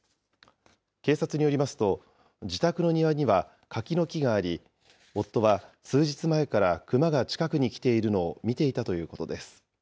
警察によりますと、自宅の庭には柿の木があり、夫は数日前からクマが近くに来ているのを見ていたということです。